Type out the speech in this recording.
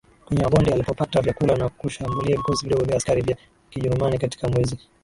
kwenye mabonde alipopata vyakula na kushambulia vikosi vidogo vya askari vya KijerumaniKatika mwezi